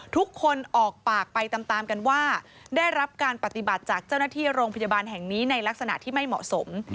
ทุกคนออกปากไปตามตามกันว่าได้รับการปฏิบัติจากเจ้าหน้าที่โรงพยาบาลแห่งนี้ในลักษณะที่ไม่เหมาะสม